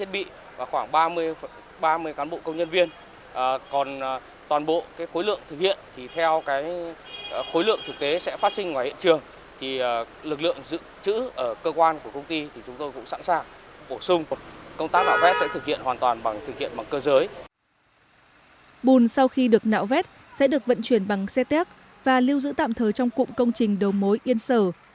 bùn sau khi được nạo vét sẽ được vận chuyển bằng xe téc và lưu giữ tạm thời trong cụm công trình đầu mối yên sở